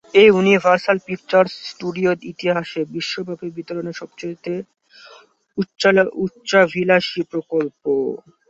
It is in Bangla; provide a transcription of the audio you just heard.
এটি ইউনিভার্সাল পিকচার্স স্টুডিওর ইতিহাসে বিশ্বব্যাপী বিতরণের সবচেয়ে উচ্চাভিলাষী প্রকল্প।